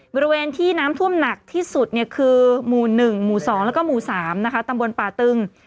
บริเวณที่น้ำท่วมหนักที่สุดคือหมู่๑หมู่๒แล้วก็หมู่๓ตำบลป่าตึง